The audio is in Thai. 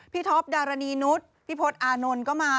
พี่ทอปดารณีนุษย์พี่พลอดอานนท์ก็มา